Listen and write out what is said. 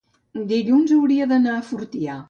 dilluns hauria d'anar a Fortià.